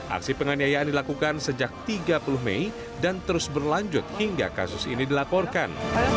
aksi penganiayaan dilakukan sejak tiga puluh mei dan terus berlanjut hingga kasus ini dilaporkan